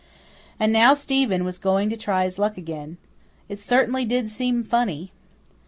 And now Stephen was going to try his luck again. It certainly did seem funny.